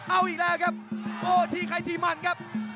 เอาอีกแล้วครับทีไขทีมันครับ